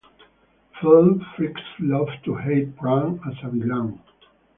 Film-freaks love to hate Pran as a villain.